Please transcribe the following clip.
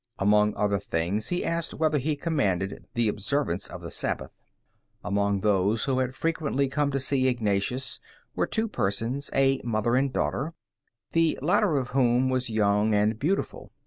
Among other things, he asked whether he commanded the observance of the Sabbath. Among those who had frequently come to see Ignatius were two persons, a mother and daughter, the latter of whom was young and beautiful.